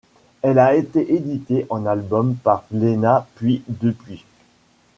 Elle a été éditée en album par Glénat puis Dupuis.